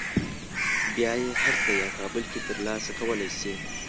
بیا یې هلته یا کابل کې تر لاسه کولی شې.